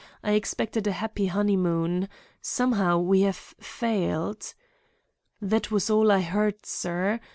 I expected a happy honeymoon. Somehow, we have failed—' That was all I heard, sir.